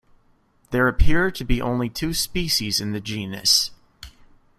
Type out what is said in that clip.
There appear to be only two species in the genus.